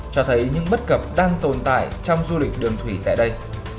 cho thấy những bất cập đang tồn tại trong du lịch đường thủy tại đây